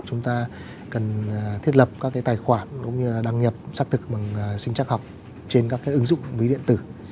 chúng ta cần thiết lập các tài khoản đăng nhập xác thực bằng sinh chắc học trên các ứng dụng ví điện tử